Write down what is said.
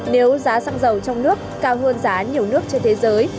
nếu giá xăng dầu trong nước cao hơn giá nhiều nước trên thế giới